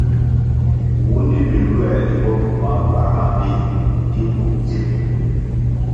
Wundi biluer limbo gywumah puáh mabéh di bur dzim.